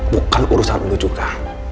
bukan urusan lo juga